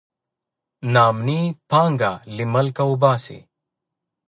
نا امني پانګه له ملکه وباسي.